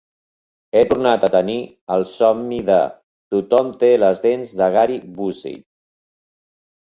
He tornat a tenir el somni de "tothom té les dents de Gary Busey".